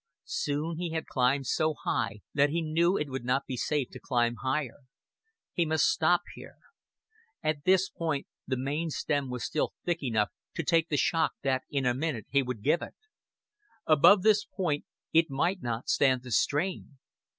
Soon he had climbed so high that he knew it would not be safe to climb higher. He must stop here. At this point the main stem was still thick enough to take the shock that in a minute he would give it. Above this point it might not stand the strain.